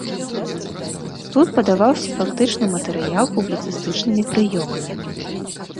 Тут падаваўся фактычны матэрыял публіцыстычнымі прыёмамі.